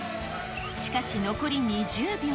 しかし残り２０秒。